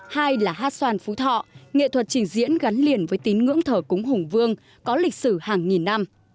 hai là hát xoan phú thọ nghệ thuật trình diễn gắn liền với tín ngưỡng thờ cúng hùng vương có lịch sử hàng nghìn năm